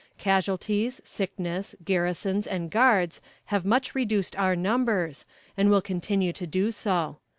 Casualties, sickness, garrisons and guards have much reduced our numbers, and will continue to do so.